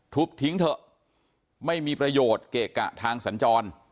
ทุบทิ้งเถอะไม่มีประโยชน์เกะกะทางสัญจร